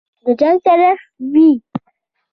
د جنګ طرف وي.